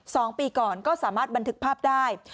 สองปีก่อนก็สามารถบันทึกภาพได้